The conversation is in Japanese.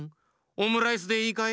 オムライスでいいかい？